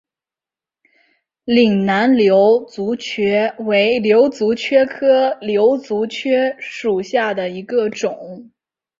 岭南瘤足蕨为瘤足蕨科瘤足蕨属下的一个种。